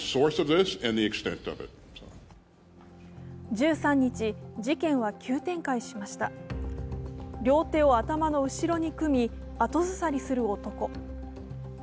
１３日、事件は急展開しました両手を頭の後ろに組み後ずさりする男。